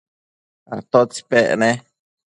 ¿atótsi pec ne?